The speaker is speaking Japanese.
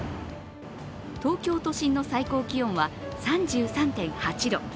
東京都心の最高気温は３３．８度。